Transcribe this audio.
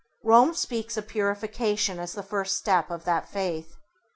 Rome speaks of purification as the first step of that faith.